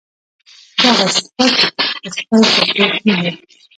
دغه سپک د خپل تپوس نۀ دي